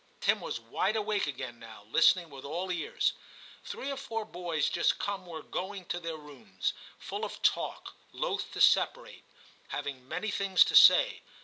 Tim was wide awake again now, listening with all ears. Three or four boys just come were going to their rooms, full of talk, loth to separate, having many things to say.